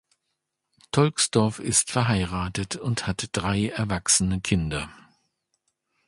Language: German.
Tolksdorf ist verheiratet und hat drei erwachsene Kinder.